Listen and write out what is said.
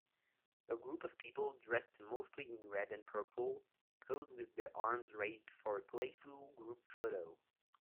A group of people dressed mostly in red and purple pose with their arms raised for a playful group photo